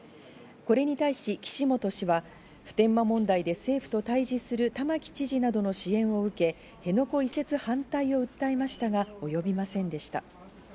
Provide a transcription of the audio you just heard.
これに対し岸本氏は、普天間問題で政府と対峙する玉城知事などの支援を受け、辺野古移設反対を訴えましたが及びませんでした。